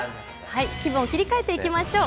気分を切り替えていきましょう。